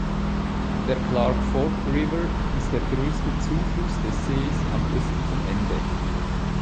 Der Clark Fork River ist der größte Zufluss des Sees am östlichen Ende.